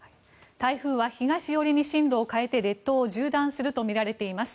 台風は東寄りに進路を変えて列島を縦断するとみられています。